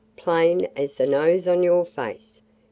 "Plain as the nose on your face!